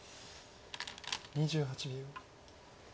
２８秒。